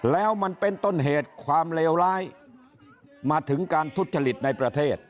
แล้วมันเป็นต้นเหตุความเลวร้ายมาถึงการทุจริตในประเทศ